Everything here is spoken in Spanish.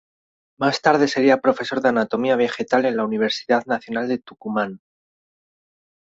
Más tarde sería profesor de Anatomía Vegetal en la Universidad Nacional de Tucumán.